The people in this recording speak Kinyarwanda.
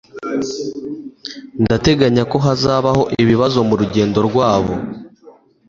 Ndateganya ko hazabaho ibibazo murugendo rwabo.